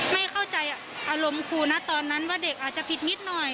ไม่เข้าใจอารมณ์ครูนะตอนนั้นว่าเด็กอาจจะผิดนิดหน่อย